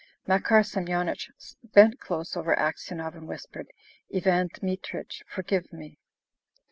Makar Semyonich bent close over Aksionov, and whispered, "Ivan Dmitrich, forgive me!"